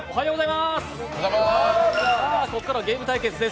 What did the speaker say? ここからはゲーム対決です